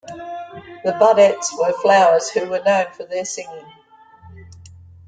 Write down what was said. The buddets were flowers who were known for their singing.